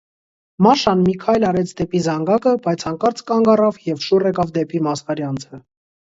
Մաշան մի քայլ արեց դեպի զանգակը, բայց հանկարծ կանգ առավ և շուռ եկավ դեպի Մասխարյանցը: